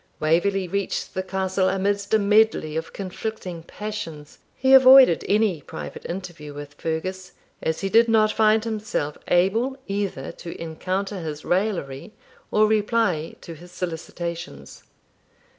Waverley reached the castle amidst a medley of conflicting passions. He avoided any private interview with Fergus, as he did not find himself able either to encounter his raillery or reply to his solicitations.